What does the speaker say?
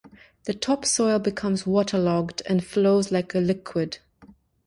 The top soil becomes waterlogged, and flows like a liquid.